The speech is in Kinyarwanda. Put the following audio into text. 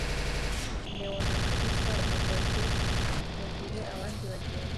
neon na kalisa bahagaze mugihe abandi bagenda